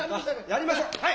やりましょはい。